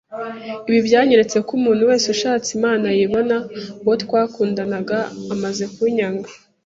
Ibi byanyeretse ko umuntu wese ushatse Imana ayibona Uwo twakundanaga amaze kunyanga,